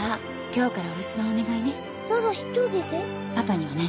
今日からお留守番お願いね。